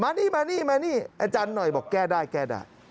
นี่มานี่มานี่อาจารย์หน่อยบอกแก้ได้แก้ได้